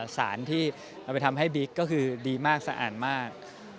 สารที่เอาไปทำให้บิ๊กก็คือดีมากสะอาดมาก